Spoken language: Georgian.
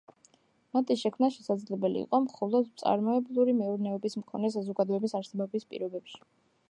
მათი შექმნა შესაძლებელი იყო მხოლოდ მწარმოებლური მეურნეობის მქონე საზოგადოების არსებობის პირობებში.